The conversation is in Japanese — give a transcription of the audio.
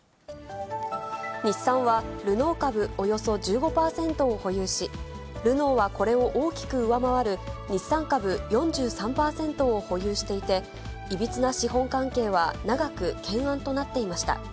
日産は、ルノー株およそ１５％を保有し、ルノーはこれを大きく上回る日産株４３％を保有していて、いびつな資本関係は長く懸案となっていました。